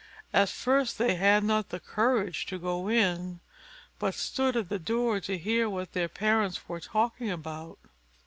At first they had not the courage to go in; but stood at the door to hear what their parents were talking about.